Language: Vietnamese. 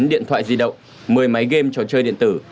ba mươi chín điện thoại di động một mươi máy game cho chơi điện tử